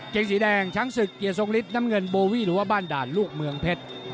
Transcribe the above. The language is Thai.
งสีแดงช้างศึกเกียรติทรงฤทธิน้ำเงินโบวี่หรือว่าบ้านด่านลูกเมืองเพชร